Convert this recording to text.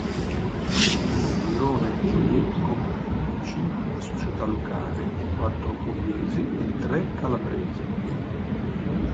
Il girone G comprende cinque società lucane, quattro pugliesi e tre calabresi.